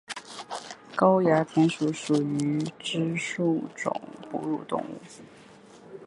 沟牙田鼠属等之数种哺乳动物。